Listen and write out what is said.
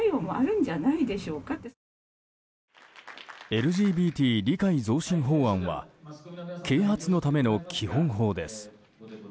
ＬＧＢＴ理解増進法案は啓発のための基本法です。